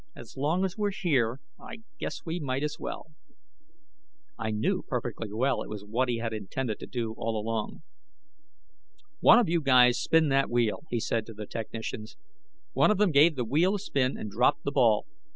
"As long as we're here, I guess we might as well." I knew perfectly well it was what he had intended to do all along. "One of you guys spin that wheel," he said to the technicians. One of them gave the wheel a spin and dropped the ball.